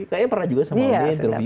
kayaknya pernah juga sama umi interview